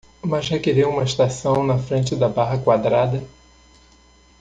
Mas requer uma estação na frente da barra quadrada.